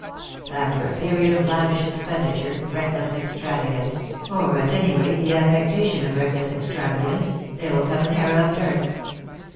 After a period of lavish expenditure, reckless extravagance, or at any rate the affectation of reckless extravagance, there will come an era of dearth.